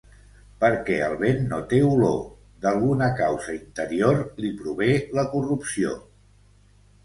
Perquè el vent no té olor, d'alguna causa interior li prové la corrupció.